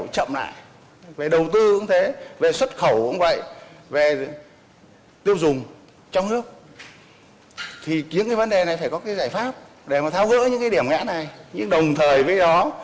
trong những điểm ngã này nhưng đồng thời với đó